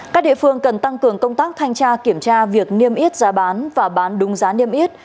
các địa phương cần tăng cường công tác thanh tra kiểm tra việc niêm yết giá bán và bán đúng giá niêm yết